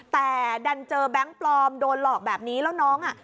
แต่ดันเจอแบงค์ปลอมโดนหลอกแบบนี้แล้วน้องอ่ะ